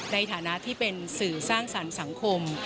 ในฐานะที่เป็นสื่อสร้างสรรค์สังคม